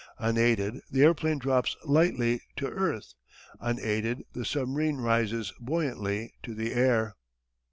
Unaided the airplane drops lightly to earth; unaided the submarine rises buoyantly to the air.